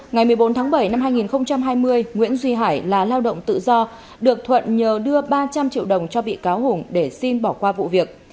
ngày một mươi bốn tháng bảy năm hai nghìn hai mươi nguyễn duy hải là lao động tự do được thuận nhờ đưa ba trăm linh triệu đồng cho bị cáo hùng để xin bỏ qua vụ việc